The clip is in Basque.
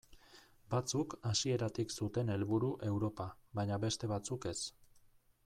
Batzuk hasieratik zuten helburu Europa, baina beste batzuk ez.